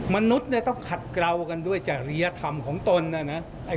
มนุษย์ต้องขัดเกลากันด้วยจากเรียธรรมของตนนะ